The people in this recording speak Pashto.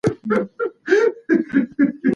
د قانون عمومي اصول پر ادارې هم تطبیقېږي.